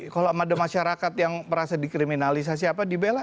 kalau ada masyarakat yang merasa dikriminalisasi apa dibela